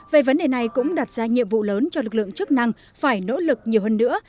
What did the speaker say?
về vấn đề này cũng đặt ra nhiệm vụ lớn cho lực lượng chức năng phải nỗ lực nhiều hơn nữa